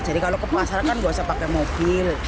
jadi kalau ke pasar kan nggak usah pakai mobil